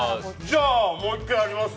じゃあ、もう１回やります？